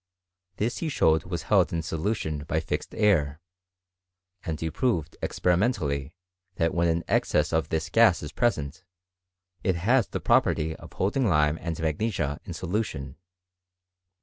This he showed was held in solution bjr fixed air ; and he proved experimentally, that when m, excess of this gas is present, it has the property rf holding lime and magnesia in solution.